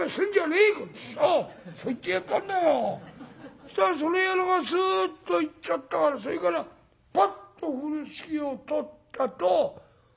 そしたらその野郎がスーッと行っちゃったからそれからパッと風呂敷を取ったとこういうわけだよ」。